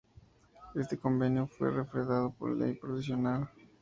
Este convenio fue refrendado por ley provincial.